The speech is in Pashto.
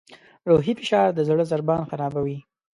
روحي فشار د زړه ضربان خرابوي.